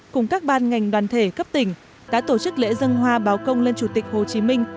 cùng các ban ngành đoàn thể cấp tỉnh đã tổ chức lễ dân hoa báo công lên chủ tịch hồ chí minh